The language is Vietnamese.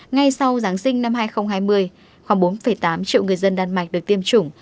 ngay sau giáng sinh năm hai nghìn hai mươi khoảng bốn tám triệu người dân đan mạch được tiêm chủng